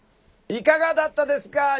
いかがだったですか？